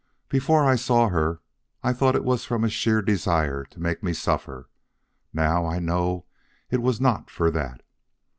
Before I saw her, I thought it was from a sheer desire to make me suffer; now I know it was not for that.